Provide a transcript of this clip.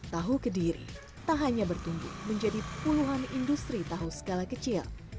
tahu kediri tak hanya bertumbuh menjadi puluhan industri tahu skala kecil